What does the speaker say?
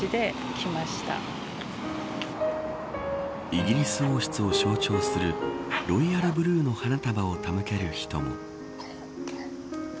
イギリス王室を象徴するロイヤルブルーの花束を手向ける人も。